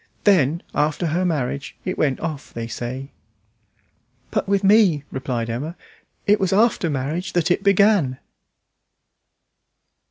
Then, after her marriage, it went off, they say." "But with me," replied Emma, "it was after marriage that it began."